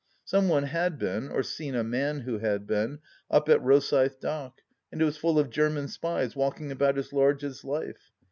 Some one had been — or seen a man who had been — up at Rosyth Dock, and it was full of German spies walking about as large as life